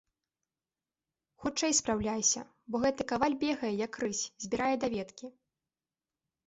Хутчэй спраўляйся, бо гэты каваль бегае, як рысь, збірае даведкі.